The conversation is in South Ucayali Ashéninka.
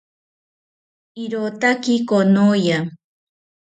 Irotaki konoya